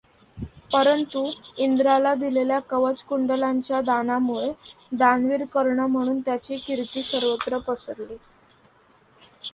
परंतु इंद्राला दिलेल्या कवच कुंडलांच्या दानामुळे दानवीर कर्ण म्हणून त्याची कीर्ती सर्वत्र पसरली.